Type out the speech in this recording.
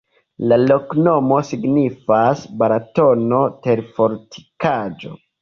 La loknomo signifas: Balatono-terfortikaĵo.